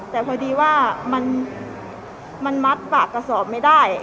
แต่พอดีว่ามันมัดปากกระสอบไม่ได้